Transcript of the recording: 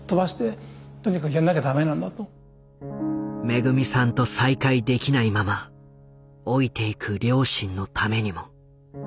めぐみさんと再会できないまま老いていく両親のためにも。